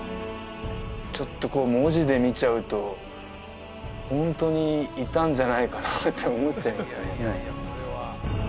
ちょっとこう文字で見ちゃうとホントにいたんじゃないかなって思っちゃいますよね